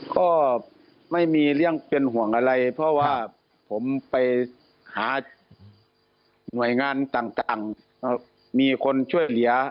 ก็ไม่มีเรื่องเป็นห่วงอะไรเพราะว่าผมไปหาหน่วยงานต่างมีคนช่วยเหลือ